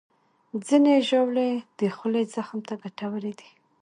ځینې ژاولې د خولې زخم ته ګټورې دي.